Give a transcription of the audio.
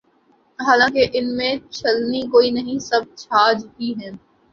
حالانکہ ان میں چھلنی کوئی نہیں، سب چھاج ہی ہیں۔